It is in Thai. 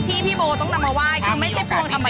ที่พี่โบต้องนำมาไหว้คือไม่ใช่พวงธรรมดา